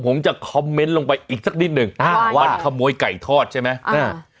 ผมจะคอมเมนต์ลงไปอีกสักนิดหนึ่งอ่าวันขโมยไก่ทอดใช่ไหมอ่า